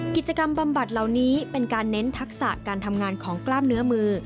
บำบัดเหล่านี้เป็นการเน้นทักษะการทำงานของกล้ามเนื้อมือ